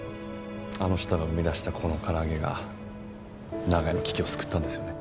あの人の生み出したこの唐揚げが長屋の危機を救ったんですよね。